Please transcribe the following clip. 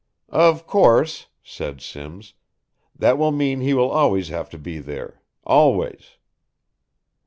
"Of course," said Simms, "that will mean he will always have to be there always."